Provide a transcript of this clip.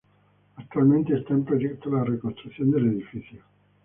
Actualmente está en proyecto la reconstrucción del edificio.